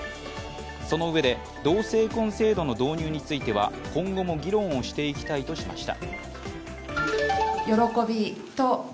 そのうえで、同性婚制度の導入については今後も議論をしていきたいとしました。